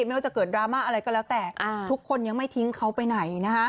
ไม่ว่าจะเกิดดราม่าอะไรก็แล้วแต่ทุกคนยังไม่ทิ้งเขาไปไหน